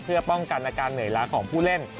เพื่อป้องกันอาการเหนื่อยล้าของผู้เล่น